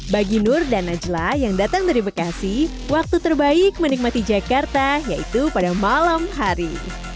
bagi nur dan najla yang datang dari bekasi waktu terbaik menikmati jakarta yaitu pada malam hari